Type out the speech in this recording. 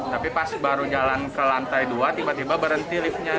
tapi pas baru jalan ke lantai dua tiba tiba berhenti liftnya